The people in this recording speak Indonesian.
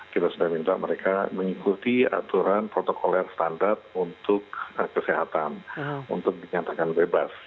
kita sudah minta mereka mengikuti aturan protokol air standar untuk kesehatan untuk dinyatakan bebas